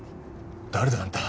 誰だ？あんた。